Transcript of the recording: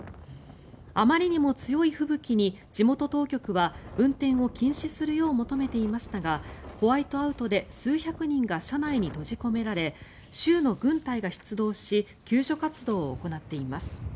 あまりにも強い吹雪に地元当局は運転を禁止するよう求めていましたがホワイトアウトで数百人が車内に閉じ込められ州の軍隊が出動し救助活動を行っています。